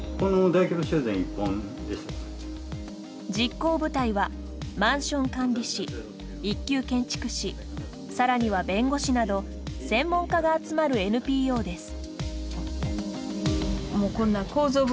実行部隊は、マンション管理士一級建築士、さらには弁護士など専門家が集まるＮＰＯです。